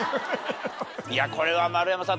いやこれは丸山さん